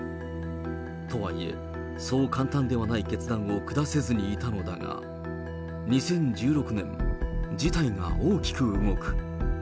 とはいえ、そう簡単ではない決断を下せずにいたのだが、２０１６年、事態が大きく動く。